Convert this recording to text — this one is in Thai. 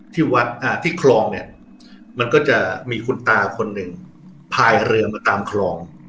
ที่วัดที่คลองเนี่ยมันก็จะมีคุณตาคนหนึ่งพายเรือมาตามคลอง